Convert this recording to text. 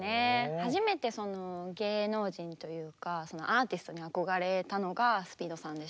初めてその芸能人というかアーティストに憧れたのがＳＰＥＥＤさんでした。